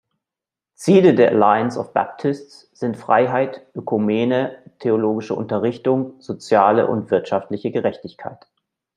Ziele der Alliance of Baptists sind Freiheit, Ökumene, theologische Unterrichtung, soziale und wirtschaftliche Gerechtigkeit.